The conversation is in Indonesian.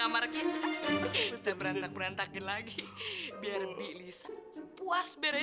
mama kapan sih ma mau sadar